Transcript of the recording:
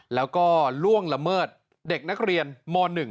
แล้วก็ล่วงละเมิดเด็กนักเรียนม๑